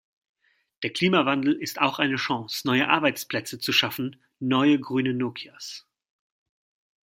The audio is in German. Der Klimawandel ist auch eine Chance, neue Arbeitsplätze zu schaffen neue grüne Nokias.